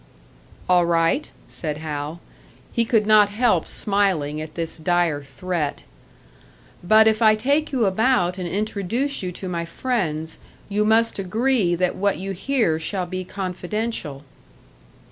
"All right," said Hal. He could not help smiling at this dire threat. "But if I take you about and introduce you to my friends, you must agree that what you hear shall be confidential."